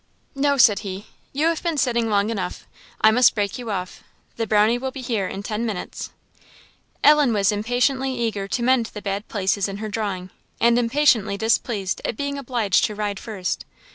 "No," said he; "you have been sitting long enough; I must break you off. The Brownie will be here in ten minutes." Ellen was impatiently eager to mend the bad places in her drawing, and impatiently displeased at being obliged to ride first.